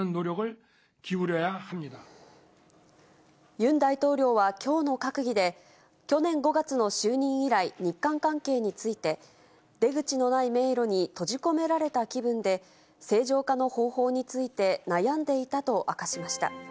ユン大統領はきょうの閣議で、去年５月の就任以来、日韓関係について、出口のない迷路に閉じ込められた気分で、正常化の方法について悩んでいたと明かしました。